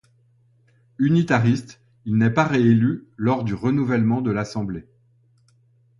Unitariste, il n'est pas réélu lors du renouvellement de l'assemblée.